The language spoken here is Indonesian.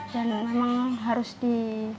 dan memang harus di